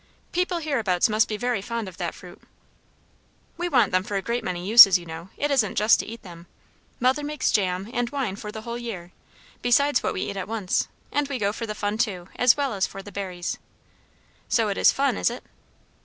"People hereabouts must be very fond of that fruit." "We want them for a great many uses, you know; it isn't just to eat them. Mother makes jam and wine for the whole year, besides what we eat at once. And we go for the fun too, as well as for the berries." "So it is fun, is it?"